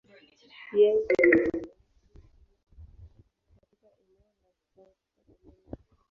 Yeye anaishi Irmo, katika eneo la South Carolina.